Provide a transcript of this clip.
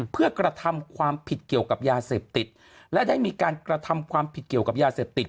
เพื่อกระทำความผิดเกี่ยวกับยาเสพติดและได้มีการกระทำความผิดเกี่ยวกับยาเสพติด